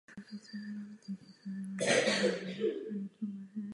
Je pohřben na pražském Vyšehradě.